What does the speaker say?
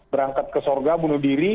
berangkat ke sorga bunuh diri